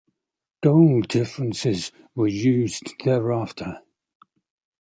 Goal differences were used thereafter.